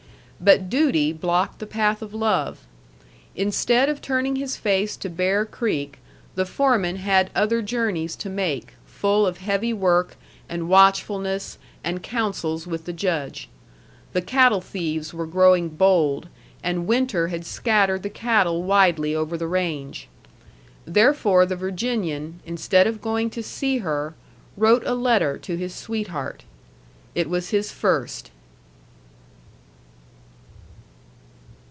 But duty blocked the path of love. Instead of turning his face to Bear Creek, the foreman had other journeys to make, full of heavy work, and watchfulness, and councils with the Judge. The cattle thieves were growing bold, and winter had scattered the cattle widely over the range. Therefore the Virginian, instead of going to see her, wrote a letter to his sweetheart. It was his first.